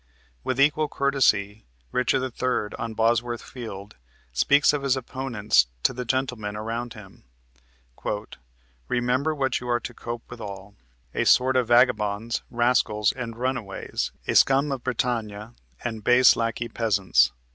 With equal courtesy Richard III., on Bosworth field, speaks of his opponents to the gentlemen around him: "Remember what you are to cope withal A sort of vagabonds, rascals, and runaways, A scum of Bretagne and base lackey peasants."